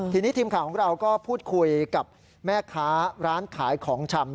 ทีนี้ทีมข่าวของเราก็พูดคุยกับแม่ค้าร้านขายของชำ